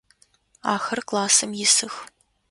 Ахэр классым исых.